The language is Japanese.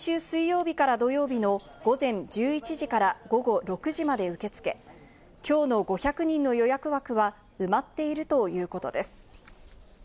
毎週水曜日から土曜日の午前１１時から午後６時まで受け付け、きょうの５００人の予約枠は埋まっているということです。